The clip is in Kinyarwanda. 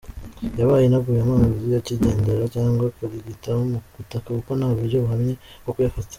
Yaba inaguye amazi akigendera cyangwa akarigita mu butaka kuko nta buryo buhamye bwo kuyafata.